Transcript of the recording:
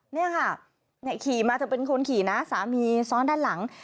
นี่ค่ะขี่มาเธอเป็นคนขี่นะสามีซ้อนด้านหลัง